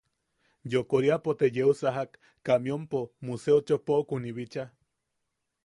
Yokoriapo te yeusajak camionpo Museo Chopokuni bicha.